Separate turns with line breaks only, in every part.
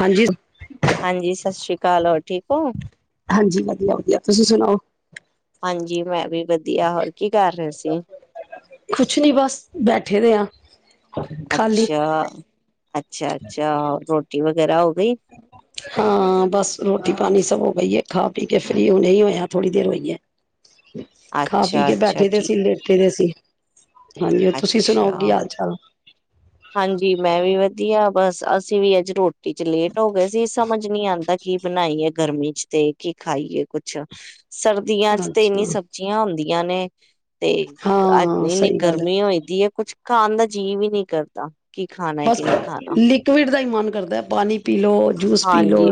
ਹਾਂਜੀ।
ਹਾਂਜੀ, ਸਤਿ ਸ੍ਰੀ ਅਕਾਲ ਹੋਰ ਠੀਕ ਹੋ
ਹਾਂਜੀ, ਵਧੀਆ-ਵਧੀਆ। ਤੁਸੀਂ ਸੁਣਾਓ?
ਹਾਂਜੀ ਮੈਂ ਵੀ ਵਧੀਆ ਹੋਰ, ਕੀ ਕਰ ਰਹੇ ਸੀਂ,
ਕੁਛ ਨੀ ਬਸ ਬੈਠੇ ਦੇ ਆ ਖਾਲੀ
ਅੱਛਾ ਅੱਛਾ ਅੱਛਾ ਰੋ [unintelligible] ਵਗੈਰਾ ਅ
ਹਾਂ ਬਸ ਰੋਟੀ ਪਾਣੀ ਸਭ, ਬਈਏ ਖਾ ਪੀ ਕੇ ਫਰੀ ਹੁਣੇ ਈ ਹੋਏ ਆਂ ਥੋੜੀ ਦੇਰ ਹੋਈਏ। ਖਾ ਪੀ
ਅੱਛਾ
ਕੇ
ਅੱਛਾ
ਬੈਠੇ ਦੇ
ਠੀਕ
ਸੀ ਲੇਟੇ ਦੇ ਸੀ, ਹਾਂਜੀ ਤੁਸੀਂ ਸੁਣਾਓ
ਅੱਛਾ
ਕੀ ਹਾਲ ਚਾਲ,
ਹਾਂਜੀ ਮੈਂ ਵੀ ਵਧੀਆ ਬਸ ਅਸੀਂ ਵੀ ਅੱਜ ਰੋ ਟੀਚਰ ਲੇਟ ਹੋ ਗਏ ਸੀ ਸਮਝ, ਕੁਝ ਨਹੀਂ ਆਂਦਾ ਕੀ ਬਣਾਈਏ ਗਰਮੀ ਚ ਤੇ ਕੀ ਖਾਈਏ ਕੁਛ, ਸਰਦੀਆਂ ਚ ਤੇ ਇੰਨੀ
ਅੱਛਾ
ਸਬਜ਼ੀਆਂ ਹੁੰਦੀ, ਯਾਨੇ, ਤੇ ਅੱਜ
ਹਾਂ
ਇੰਨੀ
ਸਹੀ ਗੱਲ ਹੈ
ਗਰਮੀ ਹੋ ਦੀ ਐ ਕੁਛ, ਖਾਣ ਦਾ ਜੀ ਵੀ ਨੀ ਕਰ ਦਾ
ਬਸ ਲਿਕਵਿਡ ਦਾ ਹੀ ਮਨ ਮਨ ਕਰਦੈ ਪਾਣੀ, ਪੀਲੋ ਜੂਸ ਪੀ ਲੋ,
ਹਾਂਜੀ,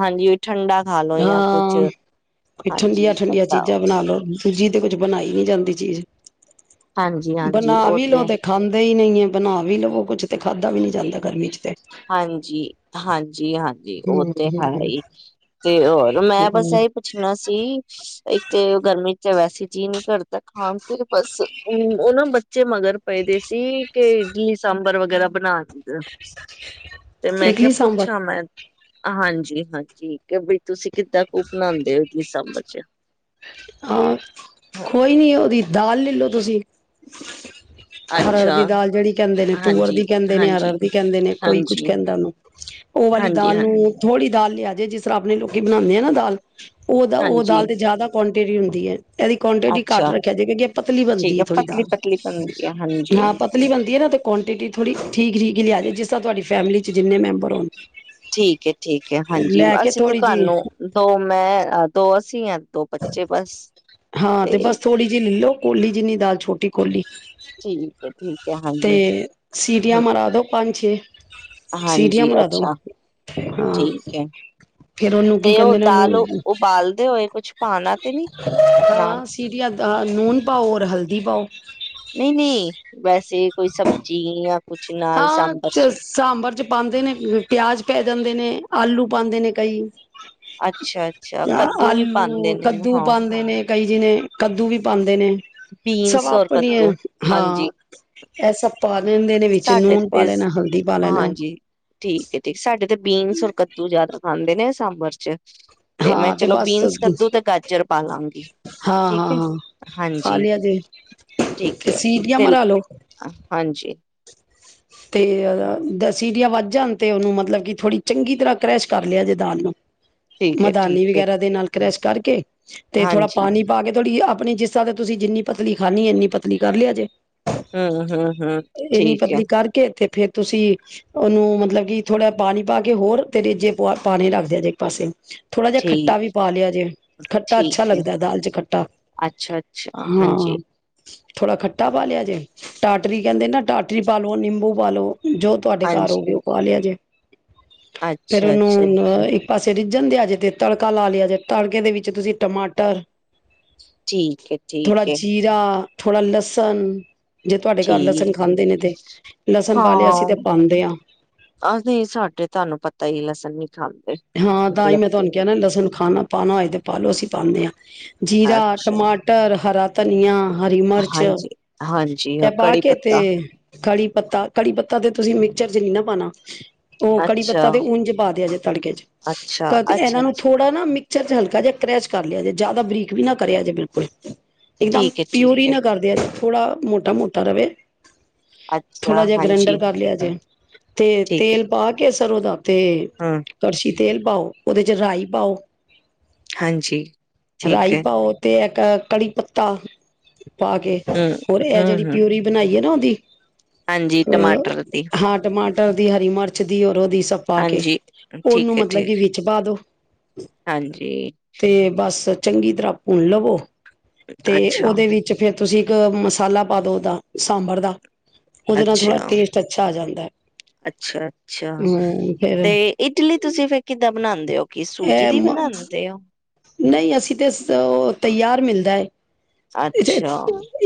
ਹਾਂਜੀ ਠੰਡਾ ਖਾ ਲੋ ਜਾਂ ਕੁਛ
ਹਾਂ ਕੋਈ
ਹਾਂਜੀ
ਠੰਡੀਆਂ ਠੰਡੀਆਂ
ਏਦਾਂ
ਚੀਜ਼ਾਂ ਬਣਾ ਲੋ। ਸੂਜੀ ਤੇ ਕੁੱਝ ਬਣਾਈ ਨੀ ਜਾਂਦੀ ਚੀਜ਼,
ਹਾਂਜੀ,
ਬਣਾ
ਹਾਂਜੀ ਉਹ
ਵੀ ਲੋਓ ਤੇ ਖਾਂਦੇ ਈ ਨੀ, ਬਣਾ ਵੀ ਲਵੋ ਕੁਛ ਤੇ ਖਾਧਾ ਵੀ ਨੀ ਜਾਂਦਾ ਗਰਮੀ ਚ ਤੇ,
ਜੀ ਉਹ
ਹਮ
ਤੇ ਹੈ ਈ ਤੇ ਹੋਰ ਮੈਂ ਬਸ
ਹਮ
ਇਹੀ ਪੁੱਛਣਾ ਸੀ ਇੱਕ ਤੇ ਗਰਮੀ, ਵੈਸੇ ਜੀ ਨੀ ਕਰ ਤਾਂ ਖਾਣ ਤੇ ਬਸ ਉਹ ਨਾ ਬੱਚੇ ਮਗਰ ਪਏ ਦੇ ਸੀ। ਕੇ ਜੀ ਸਾਂਬਰ ਵ ਵਗੈਰਾ ਬਣਾ ਕੇ ਦੋ। ਤੇ ਮੈਂ ਕਿਹਾ
ਇਡਲੀ ਸਾਂਬਰ
ਪੁੱਛਾਂ ਮੈਂ ਹਾਂਜੀ-ਹਾਂਜੀ ਕਿ ਬਈ ਤੁਸੀਂ ਕਿੱਦਾਂ ਕੁ ਬਣਾਉਂਦੇ ਔ ਕੀ ਸਾਂਬਰ ਚ।
ਹਾਂ, ਕੋੋਈ ਨੀ ਉਹਦੀ ਦਾਲ ਲੇਲੋ ਤੁਸੀ। ਹਰਹਰ
ਅੱਛਾ
ਦੀ ਦਾਲ ਜਿਹੜੀ ਕਹਿੰਦੇ ਨੇ ਤੂਅਰ ਦੀ
ਹਾਂਜੀ,
ਕਹਿੰਦੇ ਨੇ
ਹਾਂਜੀ,
ਹਰਹਰ ਦੀ ਕਹਿੰਦੇ ਨੇ ਕੋਈ ਕੁਝ
ਹਾਂਜੀ
ਕਹਿੰਦਾ ਉਹਨੂੰ, ਉਹ ਵਾਲੀ
ਹਾਂਜੀ
ਦਾਲ
ਹਾਂ
ਨੂੰ ਥੋੜ੍ਹੀ ਦਾਲ ਲਿਆ ਜੇ ਜਿਸ ਤਰ੍ਹਾਂ ਆਪਣੇ ਲੋਕੀ ਬਣਾਉਂਦੇ ਆ ਨਾ ਦਾਲ। ਉਹਦਾ ਉਹ
ਹਾਂਜੀ
ਦਾਲ ਤੇ ਜਿਆਦਾ ਕੁਆਂਟਿਟੀ ਹੁੰਦੀ ਏ। ਇਹਦੀ ਕੁਆਂਟਿਟੀ ਘੱਟ
ਅੱਛਾ
ਰੱਖਿਆ ਜੇ ਕਿਉਂਕਿ ਇਹ ਪਤਲੀ
ਠੀਕ
ਬਣਦੀ ਹੈ ਥੋੜੀ
ਪਤਲੀ
ਦਾਲ।
ਪਤਲੀ ਬਣਦੀ ਹੈ ਹਾਂਜੀ
ਹਾਂ ਪਤਲੀ ਬਣਦੀ ਹੈ ਨਾ ਤੇ ਕੁਆਂਟਿਟੀ ਥੋੜ੍ਹੀ ਠੀਕ- ਠੀਕ ਹੀ ਲਿਆ ਜੇ ਜਿਸ ਤਾ ਤੁਹਾਡੀ ਫੈਮਲੀ 'ਚ ਜਿੰਨੇ ਮੈਂਬਰ ਹੋਣ
ਠੀਕ ਹੈ, ਠੀਕ ਹੈ ਹਾਂਜੀ
ਲੈ ਕੇ
ਅਸੀਂ ਤਾਂ
ਥੋੜ੍ਹੀ ਜਿਹੀ
ਤੁਹਾਨੂੰ ਦੋ ਮੈਂ ਦੋ ਅਸੀਂ ਆ ਦੋ ਬੱਚੇ ਬਸ।
ਹਾਂ ਤੇ ਬਸ ਥੋੜ੍ਹੀ ਜਿਹੀ ਲੋ ਕੋਲੀ ਜਿੰਨੀ ਦਾਲ ਛੋਟੀ ਕੋਲੀ।
ਠੀਕ ਏ, ਠੀਕ। ਹੈ
ਤੇ
ਹਾਂਜੀ
ਸੀਟੀਆਂ
ਹ
ਮਾਰ ਦੋ ਪੰਜ ਛੇ। ਸੀਟੀਆਂ
ਹਾਂਜੀ
ਮਰਾ ਦੋ
ਅੱਛਾ,
ਹਾਂ
ਠੀਕ ਹੈ,
ਫੇਰ ਉਹਨੂੰ ਕੀ
ਤੇ ਉਹ
ਕਹਿੰਦੇ ਨੇ ਉਹਨੂੰ
ਦਾਲ ਉਬਾਲਦੇ ਹੋਏ ਕੁਛ ਪਾਣਾ ਤੇ ਨੀ ਨਾਲ
ਹਾਂ ਸੀਟੀਆਂ ਤਾ ਲੂਨ ਪਾਓ ਔਰ ਹਲਦੀ ਪਾਓ।
ਨਹੀਂ ਨਹੀਂ ਵੈਸੇ ਕੋਈ ਸਬਜ਼ੀ ਯਾ
ਹਾਂ 'ਚ ਸਾਂਬਰ 'ਚ ਪਾਦੇ ਨੇ ਪਿਆਜ ਪੈ ਜਾਂਦੇ ਨੇ। ਆਲੂ ਪਾਦੇ ਨੇ ਕਈ।
ਅੱਛਾ-ਅੱਛਾ ਕੱਦੂ ਵੀ
ਆਲੂ
ਪਾਦੇ ਨੇ
ਕੱਦੂ
ਹਾਂ।
ਪਾਉਂਦੇ ਨੇ ਕਈ ਜੀਨੇ ਕੱਦੂ ਵੀ ਪਾਂਦੇ ਨੇ। ਸਭ
ਬੀਨਸ ਔਰ
ਆਪਣੀ ਏ
ਕੱਦੂ
ਹਾਂ।
ਹਾਂਜੀ
ਐ ਸਭ ਪਾ ਲੈਂਦੇ ਨੇ। ਵਿੱਚ
ਸਾਡੇ
ਨੂਨ ਪਾ
ਤੇ,
ਲੈਣਾ ਹਲਦੀ ਪਾ ਲੈਣਾ
ਹਾਂਜੀ ਠੀਕ ਹੈ, ਠੀਕ ਸਾਡੇ ਬੀਨਸ ਰ ਕੱਤੂ ਜ਼ਿਆਦਾ ਪਾੰਦੇ ਨੇ ਸਾੰਭਰ ਚ? ਤੇ ਮੈਂ
ਹਾਂ
ਚਲੋ
ਬਸ
ਬੀਨਸ, ਕੱਦੂ ਤੇ ਗਾਜਰ ਪਾ ਲਾਂਗੀ
ਹਾਂ ਹਾਂ
ਠੀਕ ਏ,
ਹਾਂ ਖਾ
ਹਾਂਜੀ
ਲਿਆ ਜੇ
ਠੀਕ
ਤੇ
ਏ।
ਸੀਟੀਆਂ
ਤੇ
ਮਰਾ ਲੋ
ਹਾਂਜੀ।
ਤੇ ਦਸੀਟੀਆ ਵੱਜਣ ਤੇ ਉਹਨੂੰ ਮਤਲਬ ਕਿ ਥੋੜ੍ਹੀ ਚੰਗੀ ਤਰ੍ਹਾਂ ਕਰੈਸ਼ ਕਰ ਲਿਆ ਜੇ ਦਾਲ ਨੂੰ।
ਠੀਕ ਹੈ
ਮਦਾਨੀ
ਠੀਕ ਹੈ
ਵਗੈਰਾ ਦੇ ਨਾਲ ਕਰੈਸ਼ ਕਰਕੇ ਤੇ ਥੋੜ੍ਹਾ
ਹਾਂਜੀ
ਪਾਣੀ ਪਾ ਕੇ ਥੋੜ੍ਹੀ ਆਪ ਆਪਣੀ ਜਿਸਾਂ ਤੇ ਤੁਸੀਂ ਜਿੰਨੀ ਪਤਲੀ ਖਾਨਣੀ ਇੰਨੀ ਪਤਲੀ ਕਰ ਲਿਆ ਜੇ
ਹਮ, ਹਮ, ਹਮ,
ਇੰਨੀ
ਠੀਕ ਹੈ।
ਪਤਲੀ ਕਰਕੇ ਤੇ ਫੇਿਰ ਤੁਸੀਂ ਉਹਨੂੰ ਮਤਲਬ ਕਿ ਥੋੜਾ ਪਾਣੀ ਪਾ ਕੇ ਹੋਰ ਉੱਤੇ ਰੇਜੇ ਪਾ ਪਾਣੇ ਕੇ ਰੱਖ ਧਯਾਜੇ ਇੱਕ ਪਾਸੇ। ਥੋੜ੍ਹਾ ਜਿਹਾ ਖੱਟਾ
ਠੀਕ
ਵੀ ਪਾ ਲਿਆ ਜੇ ਖੱਟਾ ਅੱਛਾ ਲੱਗਦਾ ਹੈ ਦਾਲ ਚ ਖੱਟਾ,
ਅੱਛਾ ਅੱਛਾ
ਹਾਂ-ਹਾਂ,
ਹਾਂਜੀ
ਥੋੜ੍ਹਾ ਖੱਟਾ ਪਾ ਲਿਆ ਜੇ। ਟਾਟਰੀ ਕਹਿੰਦੇ ਨਾ ਟਾਟਰੀ ਪਾ ਲਓ ਨਿੰਬ ਭੂ ਪਲੋ ਜੋ ਤੁਹਾਡੇ ਘਰ
ਹਾਂਜੀ
ਹੋ ਗਏ ਉਹ ਪਾਹ ਲਿਆ ਜੇ। ਫੇਰ
ਅੱਛਾ ਅੱਛਾ
ਉਹਨੂੰ ਅਹ ਇੱਕ ਪਾਸੇ ਰਿੱਝਣ ਦੇ ਆਜੇ ਤੇ ਤੜਕਾ ਲਾ ਲਿਆਜੇ, ਤੜਕੇ ਦੇ ਵਿੱਚ ਤੁਸੀਂ ਟਮਾਟਰ
ਠੀਕ ਹੈ
ਥੋੜਾ
ਠੀਕ ਹੈ
ਜੀਰਾ ਥੋੜਾ ਲਸਨ ਜੇ ਤੁਹਾਡੇ ਘਰ ਲਸਣ
ਠੀਕ ਹੈ
ਖਾਂਦੇ ਨੇ ਤੇ ਲਸਣ ਪਾ ਲਿਆ ਅਸੀਂ ਤੇ
ਹਾਂ,
ਪਾਉਂਦੇ ਹਾਂ
ਹਾਂਜੀ ਸਾਡੇ ਤੁਹਾਨੂੰ ਪਤਾ ਹੀ ਕੀ ਲਹਸਨ ਨਹੀਂ
ਹਾਂ, ਤਾਂ ਹੀ ਮੈਂ ਤੁਹਾਨੂੰ ਕ ਕਿਹਾ ਨਾ ਲਸਣ ਖਾਣਾ ਪਾਉਣਾ ਹੋਏ ਤੇ ਪਾਲੋ ਅਸੀਂ ਪਾਂਦੇ ਹਾਂ ਜੀਰਾ,
ਅੱਛਾ
ਟਮਾਟਰ, ਹਰਾ ਧਨੀਆਂ ਹਰੀ ਮਿਰਚ
ਹਾਂਜੀ, ਹਾਂਜੀ ਹਾਂ
ਇਹ ਪਾ
ਕੜੀ
ਕੇ ਤੇ
ਪੱਤਾ
ਕੜੀ ਪੱਤਾ-ਕੜੀ ਪੱਤਾ ਤੇ ਤੁਸੀਂ ਮਿਕਚਰ ਚ ਨਹੀਂ ਨਾ ਪਾਨਾ ਉਹ ਕੜੀ
ਅੱਛਾ,
ਪੱਤਾ ਤੇ ਉਂਝ ਪਾ ਲਿਆ ਜੈ ਤੜਕੇ ਚ।
ਅੱਛਾ,
ਕ ਤੇ
ਅੱਛਾ,
ਇਹਨਾਂ
ਅੱਛਾ
ਨੂੰ ਥੋੜਾ ਨਾ ਮਿਕਚਰ ਚ ਹਲਕਾ ਜਿਹਾ ਕਰੈਸ਼ ਕਰ ਲਿਆ ਜੇ, ਜਿਆਦਾ ਬਰੀਕ ਵੀ ਨਾ ਕਰਿਆ ਜੇ ਬਿਲਕੁਲ ਇੱਕਦਮ
ਠੀਕ ਹੈ, ਠੀਕ
ਪਿਓਹੀ
ਹੈ,
ਨਾ ਕਰਦਿਆ ਜੇ। ਥੋੜਾ ਮੋਟਾ-ਮੋਟਾ ਰਵੇ
ਅੱਛਾ
ਥੋੜਾ ਜਿਹਾ
ਹਾਂਜੀ
ਗ੍ਰੈਂਡਰ ਕਰ ਲਿਆ ਜੇ ਤੇ
ਠੀਕ ਹੈ,
ਤੇਲ ਪਾ ਕੇ ਸਰੋ ਦਾ ਤੇ
ਹੂੰ
ਤੇਲ ਪਾਓ ਉਹਦੇ ਚ ਰਾਈ ਪਾਓ
ਹਾਂਜੀ ਠੀਕ
ਰਾਈ
ਹੈ,
ਪਾਓ ਤੇ ਕ ਕੜੀ ਪੱਤਾ ਪਾ ਕੇ
ਹੂੰ,
ਹੋਰ ਇਹ
ਹੂੰ,
ਜਿਹੜੀ
ਹੂੰ
ਪਿਊਰੀ ਬਣਾਈਏ ਨਾ ਧੀ
ਹਾਂਜੀ
ਤੇ
ਟਮਾਟਰ ਦੀ
ਹਾਂ ਟਮਾ ਮਟਰ ਦੀ ਹਰੀ ਮਿਰਚ ਦਿਓ ਕਰੋ ਦੀ ਸਭ ਪਾ ਕੇ
ਹਾਂਜੀ
ਉਹਨੂੰ
ਠੀਕ ਹੈ,
ਮਤਲਬ ਕਿ
ਠੀਕ ਹੈ,
ਵਿੱਚ ਪਾ ਦੋ
ਹਾਂਜੀ
ਤੇ ਬਸ ਚੰਗੀ ਤਰ੍ਹਾਂ ਭੁਣ ਲਵੋ ਤੇ
ਅੱਛਾ,
ਉਹਦੇ ਵਿੱਚ ਫੇਰ ਤੁਸੀਂ ਇੱਕ ਮਸਾਲਾ ਪਾ ਦੋ ਤਾ ਸਾਂਬਰ ਦਾ ਉਹਦੇ ਨਾਲ ਥੋੜਾ
ਅੱਛਾ
ਟੇਸਟ ਅੱਛਾ ਆ ਜਾਂਦਾ ਹੈ
ਅੱਛਾ ਅੱਛਾ
ਹਮ ਫੇਰ
ਤੇ ਇਟਲੀ ਤੁਸੀਂ ਫਿਰ ਕਿੱਦਾਂ ਬਣਾਉਂਦੇ ਹੋ ਕਿ ਸੂਜੀ
ਇਹ
ਦੀ ਬਣਾਉਂਦੇ ਹੋ?
ਨਹੀਂ ਅਸੀਂ ਤੇ ਉਹ ਤਿਆਰ ਮਿਲਦਾ ਹੈ
ਅੱਛਾ,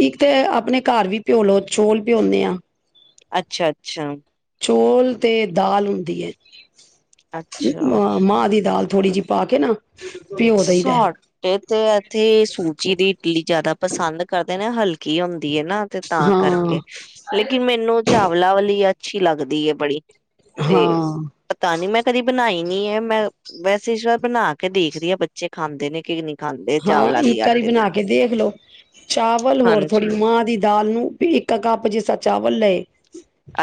ਇੱਕ ਤੇ ਆਪਣੇ ਘਰ ਵੀ ਭਿਓਲਓ ਚੋਲ ਭਿਉਂਦੇ ਆਾਂ
ਅੱਛਾ, ਅੱਛਾ,
ਚੌਲ ਅਤੇ ਦਆਲ ਹੁੰਦੀ ਹੈ
ਅੱਛਾ
ਮਾਂ ਦੀ ਦਾਲ ਥੋੜ੍ਹੀ ਜਿਹੀ ਪਾ ਕੇ ਨਾ ਭਿਓ ਦਈਦਾ
ਸਾੋਟੇ ਤੇ ਇੱਥੇ ਸੂਜੀ ਦੀ ਇਡਲੀ ਜ਼ਿਆਦਾ ਪਸੰਦ ਕਰਦੇ ਨੇ ਹਲਕੇ ਕੀ ਹੁੰਦਾ ਨਾ ਤੇ ਤਾਂ ਕਰਕੇ
ਹਾਂ
ਲੇਕਿਨ ਮੈਨੂੰ ਜਾ ਹਮਲਾਵਲੀ ਅੱਛੀ ਲੱਗਦੀ ਏ ਬੜੀ ਤੇ
ਹਾਂ,
ਪਤਾ ਨੀ ਮੈਂ ਕਦੀ ਬਣਾਈ ਮੈਂ ਵੈਸ ਐਸ ਵਾਰ ਵਾਰ ਬਣਾ ਕੇ ਦੇਖਦੀ ਹਾਂ ਬੱਚ ਬੱਚੇ ਖਾਂਦੇ ਨੇ ਕਿ ਨਹੀਂ ਖਾਂਦੇ
ਹਾਂ
ਚਾਵਲਾਂ ਦੀ
ਇੱਕ ਵਾਰੀ
ਆਟੇ ਦੀ
ਬਣਾ ਕੇ ਦੇਖ ਲਓ ਚਾਵਲ ਹੋਰ
ਹਾਂਜੀ
ਥੋੜ੍ਹੀ ਮਾਂ ਦੀ ਦਾਲ ਨੂੰ ਵੀ ਇੱਕ ਕੱਪ ਜਿਸ ਤਰ ਚਾਵਲ ਲਏ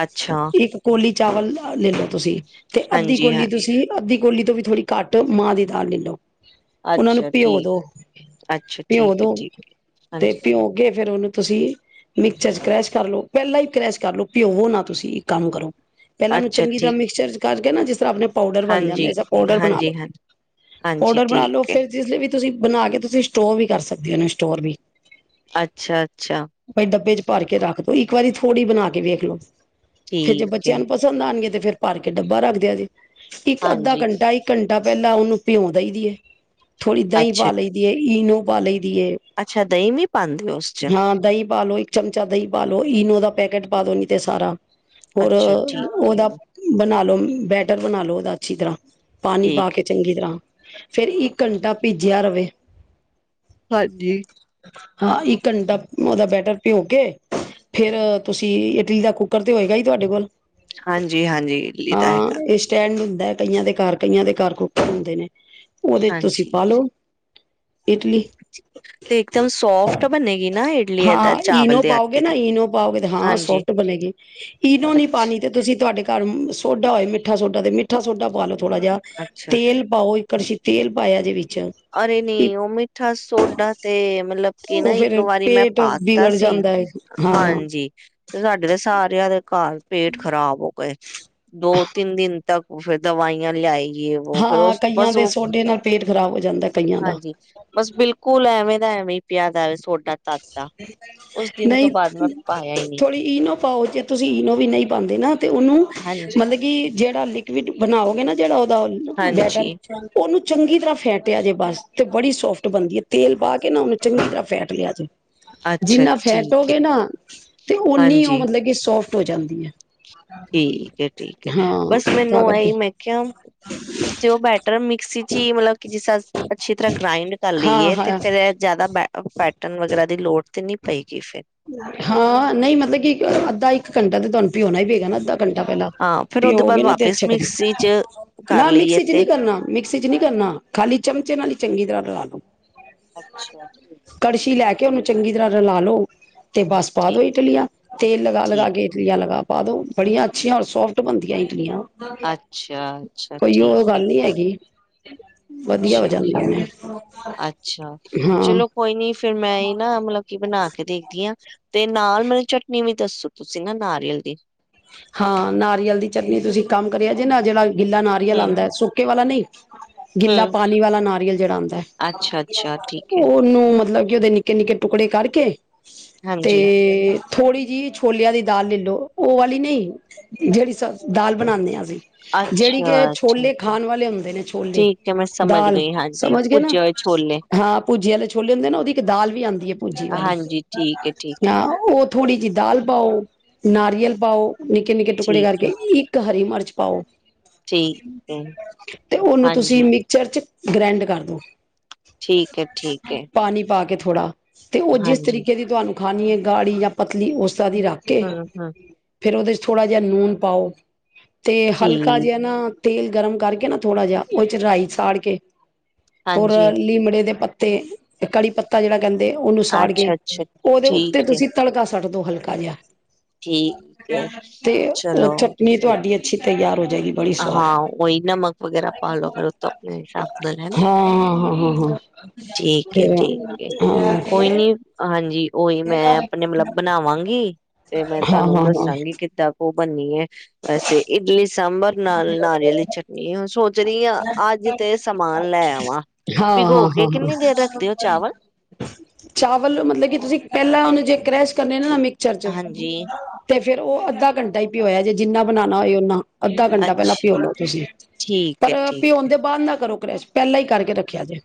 ਅੱਛਾ
ਇੱਕ ਕੋਲੀ ਚਾਵਲ ਲੇਲੋ। ਤੁਸੀਂ, ਤੇ ਅੱਧੀ
ਹਾਂਜੀ ਹਾਂ
ਕੋਲੀ ਤੁਸੀਂ ਅੱਧੀ ਕੋਲੀ ਤੋਂ ਵੀ ਥੋੜੀ ਘੱਟ ਮਾਂਹ ਦੀ ਦਾਲ ਲੈ ਲਓ। ਉਹਨਾਂ ਨੂੰ
ਅੱਛਾ
ਭਿਓ
ਠੀਕ
ਦੋ
ਅੱਛਾ
ਭਿਓ
ਠੀਕ ਹੈ
ਦੋ
ਠੀਕ ਹੈ, ਹਾਂਜੀ।
ਭਿਓ ਤੇ ਫੇਰ ਉਹਨੂੰ ਤੁਸੀਂ ਮਿਕਚਰ ਚ ਕਰੈਸ਼ ਕਰ ਲਓ। ਪਹਿਲਾਂ ਹੀ ਕਰੈਸ਼ ਕਰ ਲਓ ਭਿਓਵੋ ਨਾ ਤੁਸੀਂ ਇੱਕ ਕੰਮ ਕਰੋ। ਪਹਿਲਾਂ ਉਹਨੂੰ
ਅੱਛਾ
ਚੰਗੀ ਤਰ੍ਹਾਂ
ਠੀਕ
ਮਿਕਸਚਰ 'ਚ ਕਰਕੇ ਨਾ ਜਿਸ ਤਰਾਂ ਆਪਣੇ ਪਾਊਡਰ ਬਣ ਜਾਂਦੇ
ਹਾਂਜੀ
ਸਾ ਪਾਊਡਰ ਬਣਾ
ਹਾਂਜੀ
ਲੋ।
ਹਾਂ ਹਾਂਜੀ
ਪਾਊਡਰ ਬਣਾ ਲੋ
ਠੀਕ ਹੈ
ਫਿਰ ਜਿਸ ਵੀ ਤੁਸੀਂ ਬਣਾ ਕੇ ਤੁਸੀਂ ਸਟੋਰ ਵੀ ਕਰ ਸਕਦੇ ਹੋ ਇਹਨੂੰ ਸਟੋਰ ਵੀ।
ਅੱਛਾ ਅੱਛਾ
ਭਾਈ ਡੱਬੇ 'ਚ ਭਰ ਕੇ ਰੱਖ ਦੋ। ਉਹ ਇੱਕ ਵਾਰੀ ਥੋੜ੍ਹੀ ਬਣਾ ਕੇ ਵੇਖ ਲੋ। ਫੇਰ ਜੇ
ਠੀਕ ਹੈ
ਬੱਚਿਆਂ ਨੂੰ ਪਸੰਦ ਆਣਗੇ ਤੇ ਫ਼ਿਰ ਭਰ ਕੇ ਡੱਬਾ ਰੱਖਦਿਆਂ ਜੇ। ਇੱਕ-ਅੱਧਾ
ਹਾਂਜੀ
ਘੰਟਾ ਇੱਕ ਘੰਟਾ ਟਾ ਪਹਿਲਾਂ ਉਹਨੂੰ ਭਿਉਂ ਦਈ ਦੀ ਏ। ਥੋੜ੍ਹੀ ਦਹੀਂ
ਅੱਛਾ,
ਪਾ ਲਈ ਦੀ ਏ ਈਨੋ ਪਾ ਲਈ। ਦੀ ਏ
ਅੱਛਾ ਦਹੀਂ ਵੀ ਪਾਂਦੇ ਓ ਉਸ 'ਚ
ਹਾਂ ਦਹੀਂ ਪਾਾਲੋ ਇੱਕ ਚਮਚਾ ਦਹੀਂ ਪਾਾਲੋ ਈਨੋ ਦਾ ਪੈਕੇਟ ਪਾ ਦੋ ਨੀ ਤੇ ਸਾਰਾ। ਹੋਰ
ਅੱਛਾ ਠੀਕ
ਉਹਦਾ
ਏ,
ਬਣਾ ਲੋੋ ਬੈਟਲ ਬਣਾ ਲਉ ਉਹਦਾ ਅੱਛੀ ਤਰ੍ਹਾਂ। ਪਾਣੀ ਪਾ
ਠੀਕ
ਕੇ
ਏ।
ਚੰਗੀ ਤਰ੍ਹਾਂ ਫੇਿਰ ਇੱਕ ਘੰਟਾ ਭਿੱਜਿਆ ਰਵੇ।
ਹਾਂਜੀ
ਹਾਂ ਇੱਕ ਘੰਟਾ ਉਹਦਾ ਬੈਟਰ ਭਿਓ ਕੇ, ਫੇਰ ਤੁਸੀਂ ਇਟਲੀ ਦਾ ਕੂਕਰ ਤੇ ਹੋਏਗਾ ਹੀ ਤੁਹਾਡੇ ਕੋਲ।
ਹਾਂਜੀ-ਹਾਂਜੀ ਲਿਦਾ
ਹਾਂ
ਹੈਗਾ।
ਇਹ ਸਟੈਂਡ ਹੁੰਦਾ ਕਈਆਂ ਦੇ ਘਰ ਕਈਆਂ ਦੇ ਘਰ ਕੂਕਰ ਹੁੰਦੇ ਨੇ। ਉਹਦੇ 'ਚ ਤੁਸੀਂ
ਹਾਂਜੀ।
ਪਾ ਲਓ। ਇਡਲੀ
ਤੇ ਇੱਕਦਮ ਸੋਫਟ ਬਣੇਗੀ। ਨਾ ਇਡਲੀ ਏਦਾਂ
ਹਾਂ ਈਨੋ
ਚਾਵਲ ਦੇ
ਪਾਓਗੇ
ਆਟੇ
ਨਾ
ਦੀ,
ਈਨੋ ਪਾਓਗੇ ਤੇ ਹਾਂ
ਹਾਂਜੀ
ਸੋਫਟ ਬਣੇਗੀ ਈਨੋ ਨੀ ਪਾਣੀ
ਅੱਛਾ।
ਤੇ ਤੁਸੀਂ ਤੁਹਾਡੇ ਘਰ ਸੋਡਾ ਹੋਏ ਮਿੱਠਾ ਸੋਡਾ ਤੇ ਮਿੱਠਾ ਸੋਡਾ ਪਾ ਲੋ। ਥੋੜਾ ਜਿਹਾ
ਅੱਛਾ,
ਤੇਲ ਪਾਓ। ਕੜਸ਼ੀ ਤੇਲ ਪਾਇਆ ਜੇ ਵਿੱਚ
ਅਰੇ
ਇੱਕ
ਨੀ ਉਹ ਮਿੱਠਾ ਸੋਡਾ ਤੇ ਮਤਲਬ ਕਿ ਨਾ
ਉਹ
ਇੱਕ
ਫੇਰ
ਵਾਰੀ ਮੈਂ
ਪੇਟ
ਪਾਤਾ
ਵਿਗੜ
ਸੀ
ਜਾਂਦਾ ਹੈ ਹਾਂ
ਹਾਂਜੀ ਤੇ ਸਾਡੇ ਤਾਂ ਸਾਰਿਆਂ ਦੇ ਘਰ ਪੇਟ ਖ਼ਰਾਬ ਹੋ ਗਏ। ਦੋ ਤਿੰਨ ਦਿਨ ਤੱਕ ਫਿਰ ਦਵਾਈਆਂ ਲਿਆਈ ਯੇ ਵੋ ਫਿਰ
ਹਾਂ
ਉਸ
ਕਈਆਂ
ਬਸ
ਦੇ
ਓ
ਸੋਡੇ ਨਾਲ ਪੇਟ ਖ਼ਰਾਬ ਹੋ ਜਾਂਦਾ। ਕਈਆਂ ਦਾ
ਹਾਂਜੀ, ਬਸ ਬਿਲਕੁਲ ਐ ਐਵੇਂ ਦਾ ਐਵੇਂ ਹੀ ਪਿਆ ਦਾ ਸੋਡਾ ਤਦ ਦਾ ਉਸ ਦਿਨ ਤੋਂ
ਨਹੀਂ
ਬਾਅਦ ਮੈਂ ਪਾਇਆ ਹੀ ਨਹੀਂ।
ਥੋੜ੍ਹੀ ਈਨੋ ਪਾਓ ਜੇ ਤੁਸੀਂ ਈਨੋ ਵੀ ਨਹੀਂ ਪਾਂਦੇ ਨਾ ਤੇ ਉਹਨੂੰ
ਹਾਂਜੀ
ਮਤਲਬ ਕਿ ਜਿਹੜੇ ਲਿਕਵਿਡ ਬਣਾਓਗੇ ਨਾ ਜਿਹੜਾ ਬੈਟਰ
ਹਾਂਜੀ
ਚੰਗੀ ਤਰ੍ਹਾਂ ਫੈਟਿਆ ਜੇ ਬਸ ਤੇ ਬੜੀ ਸੋਫਟ ਬਣਦੀ ਹੈ ਤੇਲ ਪਾ ਕੇ ਨਾ ਉਹਨੂੰ ਚੰਗੀ ਤਰ੍ਹਾਂ ਫੈਟ ਲਿਆ ਜੇ।
ਅੱਛਾ
ਜਿੰਨਾ
ਠੀਕ ਹੈ
ਫੈਟੋਗੇ ਨਾ ਤੇ ਉਹ ਓਨੀ ਉਹ
ਹਾਂਜੀ
ਮਤਲਬ ਕਿ ਸੋਫਟ ਹੋ ਜਾਂਦੀ ਹੈ।
ਠੀਕ ਹੈ ਠੀਕ ਹੈ
ਹਾਂ
ਬਸ ਮੈਨੂੰ
ਤਾਂ ਕਰਕੇ
ਇਹੀ ਮੈਂ ਕਿਹਾ ਤੇ ਉਹ ਬੈਟਰ ਮਿਕਸੀ ਚ ਹੀ ਮਤਲਬ ਕਿ ਜਿਸ ਤਾ ਅੱਛੀ ਤਰ੍ਹਾਂ ਗ੍ਰਾਇੰਡ ਕਰ
ਹਾਂ
ਲਈਏ ਤੇ
ਹਾਂ
ਫੇਰ ਜਿਆਦਾ ਬੈਟਰ ਫੈਟਨ ਵਗੈਰਾ ਦੀ ਲੋੜ ਤੇ ਨਹੀਂ ਪਈ।
ਹਾਂ ਨਹੀਂ ਮਤਲਬ ਕਿ ਅ ਅੱਧਾ ਇੱਕ ਘੰਟਾ ਤੇ ਤੁਹਾਨੂੰ ਬੀਉਣਾ ਪਏਗਾ ਅੱਧਾ ਘੰਟਾ ਪਹਿਲਾਂ
ਹਾਂ ਫਿਰ ਉਹਦੇ ਬਾਅਦ
ਪਿਓਗੇ ਨਾ ਤੇ
ਵਾਪਿਸ
ਅੱਛਾ
ਮਿਕਸੀ ਚ
ਬਣੇਗਾ।
ਕਰ
ਨਾ
ਲਈਏ
ਮਿਕਸੀ ਚ
ਤੇ
ਨਹੀਂ ਕਰਨਾ ਮਿਕ ਸੀ ਚ ਨਹੀਂ ਕਰਨਾ। ਖਾਲੀ ਚਮਚੇ ਨਾਲ ਹੀ ਚੰਗੀ ਤਰ੍ਹਾਂ ਰਲਾ ਲੋ।
ਅੱਛਾ ਠੀਕ
ਲੈ
ਠੀਕ ਹੈ।
ਕੇ ਉਹਨੂੰ ਚੰਗੀ ਤਰ੍ਹਾਂ ਰਲਾ ਲਓ ਤੇ ਬਸ ਪਾ
ਠੀਕ
ਦੋ ਇਟਲੀਆਂ ਤੇਲ ਲਗਾ ਲਗਾ
ਠੀਕ
ਕੇ ਇਟਲੀਆਂ ਲਗਾ ਪਾ ਦਓ ਬੜੀਆਂ ਅੱਛੀਆਂ ਔਰ ਸੋਫਟ ਬਣਦੀਆਂ ਇਟਲੀਆਂ।
ਅੱਛਾ ਅੱਛਾ
ਕੋਈ ਉਹ
ਠੀਕ ਹੈ
ਗੱਲ ਨੀ ਹੈਗੀ। ਵਧੀਆ ਹੋ
ਅੱਛਾ
ਜਾਂਦੀਆਂ ਨੇ
ਅੱਛਾ
ਹਾਂ
ਚਲੋ ਕੋਈ ਨੀ ਫਿਰ ਮੈਂ ਈ ਨਾ ਮਤਲਬ ਕਿ ਬਣਾ ਕੇ ਦੇਖ [unintelligible] ਤੇ ਨਾਲ ਮੈਨੂੰ ਚਟਨੀ ਵੀ ਦੱਸੋ ਤੁਸੀਂ ਨਾ ਨਾਰੀਅਲ ਦੀ
ਹਾਂ ਨਾਰੀਅਲ ਦੀ ਚਟਨੀ ਤੁਸੀਂ ਕੰਮ ਕਰਿਆ ਜੇ ਨਾ ਜਿਹੜਾ ਗਿੱਲਾ ਨਾਰੀਅਲ
ਹੂੰ,
ਆਂਦਾ ਸੁੱਕੇ ਵਾਲਾ ਨਹੀਂ ਗਿੱਲਾ
ਹੂੰ।
ਪਾਣੀ ਵਾਲਾ ਨਾਰੀਅਲ ਜਿਹੜਾ ਹੁੰਦਾ
ਅੱਛਾ-ਅੱਛਾ
[unintelligible]
ਠੀਕ ਹੈ,
ਉਹਨੂੰ ਮਤਲਬ [unintelligible] ਉਹਦੇ ਨਿੱੱਕੇ ਨਿੱੱਕੇ ਟੁਕੜੇ ਕਰਕੇ ਤੇ
ਹਾਂਜੀ
ਥੋੜ੍ਹੀ ਜਿਹੀ ਛੋਲਿਆਂ ਦੀ ਦਾਲ ਲੈਲੋ ਉਹ ਵਾਲੀ ਨਹੀਂ ਜਿਹੜੀ ਸ ਦਾਲ ਬਣਾਉਂਦੇ ਹਾਂ ਅਸੀਂ ਜਿਹੜੀ ਕਿ
ਅੱਛਾ
ਛੋਲੇ
ਠੀਕ ਹੈ।
ਖਾਣ ਵਾਲੇ ਹੁੰਦੇ ਨੇ ਛੋਲੇ
ਠੀਕ ਹੈ ਮੈਂ ਸਮਝ
ਦਾਲ
ਗਈ ਹਾਂਜੀ
ਸਮਝ ਗੇ ਨਾ
ਭੁੱਜੇ ਹੋਏ ਛੋਲੇ
ਹਾਂ ਭੂਜੀ ਵਾਲੇ ਛੋਲੇ ਹੁੰਦੇ ਨਾ ਉਹਦੀ ਇੱਕ ਦਾਲ ਵੀ ਆਉਂਦੀ ਹੈ ਭੂਜੀ ਵਾਲੀ
ਹਾਂਜੀ ਠੀਕ ਹੈ, ਠੀਕ ਹੈ।
ਹਾਂ ਉਹ ਥੋੜੀ ਜਿਹੀ ਦਾਲ ਪਾਓ ਨਾਰੀਅਲ ਪਾਓ ਨਿੱਕੇ-ਨਿੱਕੇ ਟੁਕੜੇ
ਠੀਕ ਹੈ,
ਕਰਕੇ ਇੱਕ ਹਰੀ ਮਿਰਚ ਪਾਉ।
ਠੀਕ ਹੈ,
ਤੇ ਉਹਨੂੰ ਤੁਸੀਂ
ਹਾਂਜੀ
ਮਿਕਚਰ ਚ ਗ੍ਰੈਂਡ ਕਰ ਦਿਉ।
ਠੀਕ ਹੈ ਠੀਕ ਹੈ।
ਥੋੜ੍ਹਾ ਤੇ ਉਹ ਜਿਸ
ਹਾਂਜੀ।
ਤਰੀਕੇ ਦੀ ਤੁਹਾਨੂੰ ਖਾਣੀਏ ਗਾੜੀ ਜਾਂ ਪਤਲੀ ਉਸ। ਤਰਾਂ ਦੀ ਰੱਖ ਕੇ।
ਹੂੰ, ਹੂੰ।
ਫੇਰ ਉਹਦੇ 'ਚ ਥੋੜ੍ਹਾ ਜਿਹਾ ਨੂਨ ਪਾਓ। ਤੇ ਹਲਕਾ
ਠੀਕ
ਜਿਹਾ ਨਾ ਤੇਲ ਗਰਮ ਕਰਕੇ ਨਾ ਥੋੜਾ ਜਿਹਾ ਉਹਦੇ 'ਚ ਰਾਈ ਸਾੜ ਕੇ ਹੋਰ
ਹਾਂਜੀ
ਲੀਮੜੇ ਦੇ ਪੱਤੇ ਤੇ ਕੜੀ ਪੱਤਾ ਜਿਹੜਾ। ਕਹਿੰਦੇ ਉਹਨੂੰ ਸਾੜ ਕੇ,
ਅੱਛਾ-ਅੱਛਾ
ਉਹਦੇ ਉੱਤੇ
ਠੀਕ ਹੈ,
ਤੁਸੀਂ ਤੜਕਾ ਸੁੱਟ ਦੋ ਹਲਕਾ ਜਿਹਾ।
ਠੀਕ। ਹੈ।
ਤੇ ਉਹ
ਚਲੋ
ਚਟਨੀ
ਫਿਰ।
ਤੁਹਾਡੀ ਅੱਛੀ। ਤਿਆਰ ਹੋ। ਜਾਏਗੀ ਬੜੀ ਸਵਾਦ
ਹਾਂ ਉਹੀ ਨਮਕ ਵਗੈਰਾ ਪਾਲੋ ਫਿਰ ਉਹਤੋਂ ਆਪਣੇ ਹਿਸਾਬ ਨਾਲ ਹੈਨਾ
ਹਾਂ ਹਾਂ ਹਾਂ ਹਾਂ
ਠੀਕ ਹੈ, ਠੀਕ ਹੈ ਕੋਈ
ਫਿਰ
ਨੀ ਹਾਂਜੀ ਉਹੀ ਮੈਂ ਆਪਣੇ ਮਤਲਬ ਬਣਾਵਾਂਗੀ ਤੇ ਮੈਂ
ਹਾਂ
ਤੁਹਾਨੂੰ
ਹਾਂ ਹਾਂ ਹਾਂ
ਦੱਸਾਂਗੀ। ਕਿੱਦਾਂ ਕੁ ਉਹ ਬਣਨੀ ਹੈ, ਵੈਸੇ ਇਡਲੀ ਸਾਮ ਨਾਲ ਨਾਰੀਆਲ ਦੀ ਚਟਨੀ ਸੋਚ ਰਹੀ ਹਾਂ
[unintelligible]
ਅੱਜ ਤੇ ਸਮਾਨ ਲੈ ਆਵਾਂ
ਹਾਂ ਹਾਂ
ਭਿਗੋ ਕੇ
ਹਾਂ ਹਾਂ
ਕਿੰਨੀ ਦੇਰ ਰੱਖਦੇ ਹੋ ਚਾਵਲ
ਚਾਵਲ ਮਤਲਬ ਕਿ ਤੁਸੀਂ ਪਹਿਲਾਂ ਉਹਨੂੰ ਜੇ ਕ੍ਰੈਸ਼ ਕਰਨੇ ਨਾ। ਮਿੱਕਚਰਜ
ਹਾਂਜੀ
ਤੇ। ਫੇਰ ਉਹ ਅੱਧਾ ਘੰਟਾ ਹੀ ਭਿਉਆ ਜੇ ਜਿੰਨਾ ਬਣਾਣਾ ਹੋਏ ਉਹਨਾ। ਅੱਧਾ ਘੰਟਾ ਪਹਿਲਾਂ
ਅੱਛਾ
ਭਿਓ ਲੋ ਤੁਸੀਂ।
ਠੀਕ
ਪਰ
ਹੈ ਠੀਕ
ਭਿਉਣ
ਹੈ
ਦੇ ਬਾਅਦ ਨਾ ਕਰੋ ਕਰੈਸ਼ ਪਹਿਲਾਂ ਹੀ ਕਰਕੇ ਰੱਖਿਆ ਜੇ।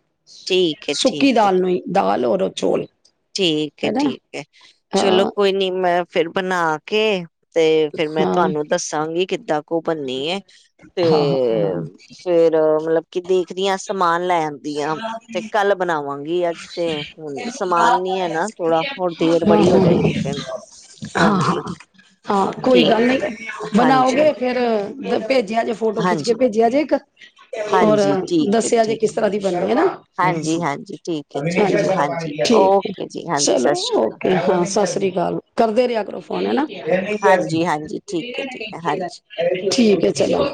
ਠੀਕ ਹੈ
ਸੁੱਕੀ
ਠੀਕ ਹੈ
ਦਾਲ ਨੂੰ ਹੀ ਦਾਲ ਹੋਰ। ਕਰੋ ਚੋਲ
ਠੀਕ ਹੈ ਠੀਕ ਹੈ, ਚਲੋ
ਹਾਂ
ਕੋਈ ਨੀ ਮੈਂ ਫੇਰ ਬਣਾ ਕੇ ਤੇ ਫੇਿਰ ਮੈਂ
ਹਾਂ
ਤੁਹਾਨੂੰ ਦੱਸਾਂਗੀ ਕਿੱਦਾਂ ਬੰਨੀ ਤੇ
ਹਾਂ ਹਾਂ
ਫੇਰ ਮਤਲਬ ਕਿ ਦੇਖਦੀ ਹਾਂ ਸਮਾਨ ਲੈ ਆਂਦੀ ਆ ਤੇ ਕੱਲ ਬਣਾਵਾਂਗੀ ਅੱਜ ਤੇ ਹੁਣ ਸਮਾਨ [unintelligible] ਨਾ ਥੋੜਾ ਹੋਰ ਦੇਰ
ਹਾਂ
ਬੜੀ ਹੋ ਜਾਏਗੀ
ਹਾਂ
ਫਿਰ
ਹਾਂ
ਹਾਂਜੀ ਠੀਕ ਹੈ ਹਾਂਜੀ
ਫੇਿਰ ਭੇਜਿਆ ਜੇ ਫੋਟੋ ਖਿੱਚ ਕੇ
ਹਾਂਜੀ,
ਭੇਜਿਆ ਜੇ ਇੱਕ ਹੋਰ
ਹਾਂਜੀ ਠੀਕ ਹੈ,
ਦੱਸਿਆ ਜੇ
ਠੀਕ
ਕਿਸ
ਹੈ।
ਤਰ੍ਹਾਂ ਦੀ ਬਣਈ ਨਾ
ਹਾਂਜੀ, ਹਾਂਜੀ ਠੀਕ ਹੈ ਚਲੋ ਹਾਂਜੀ
[unintelligible] ਠੀਕ
ਓਕੇ ਜੀ ਹਾਂਜੀ
ਚਲੋ
ਸਤਿ ਸ਼੍ਰੀ ਅਕਾਲ।
ਓਕੇ ਹਾਂ ਸਤ ਸ੍ਰੀ ਅਕਾਲ ਕਰਦੇ ਰਿਹਾ ਕਰੋ ਫੋਨ ਹੈਨਾ
ਹਾਂਜੀ, ਹਾਂਜੀ ਠੀਕ ਹੈ, ਠੀਕ ਹੈ ਹਾਂਜੀ।
[unintelligible] ਠੀਕ ਹੈ ਚਲੋ